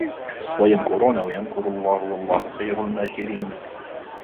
ويمكرون ويمكر الله والله خير الماكرين.